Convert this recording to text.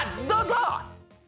どうぞ！